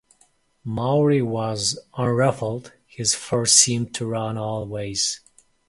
Maury was unruffled; his fur seemed to run all ways.